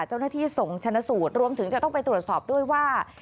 เจ้าหน้าที่ส่งชนะสูตรรวมถึงจะต้องไปตรวจสอบด้วยว่า